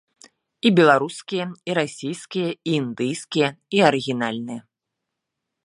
І беларускія, і расійскія, і індыйскія, і арыгінальныя.